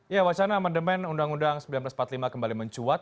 ya wacana amandemen undang undang seribu sembilan ratus empat puluh lima kembali mencuat